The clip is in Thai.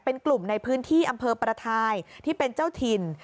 เป็นกลุ่มในพื้นที่อำเภอประทายที่เป็นเจ้าถิ่น